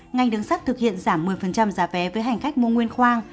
ngành đường sắt thực hiện giảm một mươi giá vé với hành khách mua nguyên khoang